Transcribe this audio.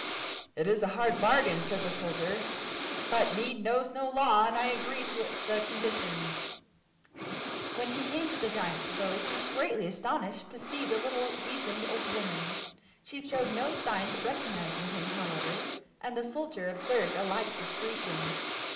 "It is a hard bargain," said the soldier, "but need knows no law, and I agree to the conditions." When he came into the giant's abode, he was greatly astonished to see the little weazened old woman. She showed no sign of recognizing him, however, and the soldier observed a like discretion.